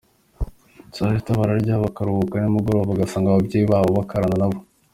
Saa sita bararya, bakaruhuka nimugoroba bagasanga ababyeyi babo bakararana nabo.